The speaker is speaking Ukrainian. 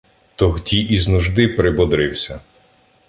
Тогді із нужди прибодрився